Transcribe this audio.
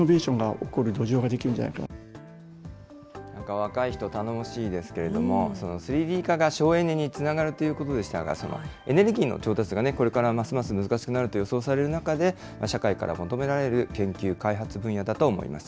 若い人、頼もしいですけども、３Ｄ化が省エネにつながるということでしたから、そのエネルギーの調達がね、これからますます難しくなると予想される中で、社会から求められる研究開発分野だと思います。